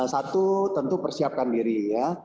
satu tentu persiapkan diri ya